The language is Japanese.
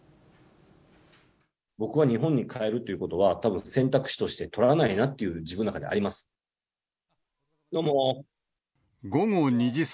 僕は日本に帰るということは、たぶん、選択肢として取らないなっていう、自分の中にあります。